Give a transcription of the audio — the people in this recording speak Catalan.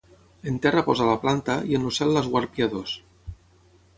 En terra posa la planta i en el cel l’esguard piadós.